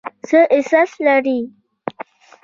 څه احساس لرئ ؟